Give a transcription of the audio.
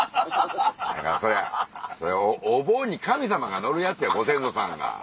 だからそれお盆に神様が乗るやつやご先祖さんが。